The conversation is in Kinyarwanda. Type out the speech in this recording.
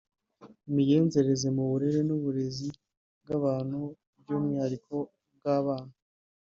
imigenzereze mu burere n’uburezi bw’abantu by’umwihariko ubw’abana